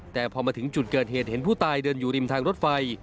แต่พอมาถึงจุดเกิดเหตุเห็นผู้ตายเดินอยู่ริมทางรถไฟ